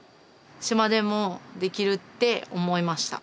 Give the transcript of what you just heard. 島でもできるって思いました。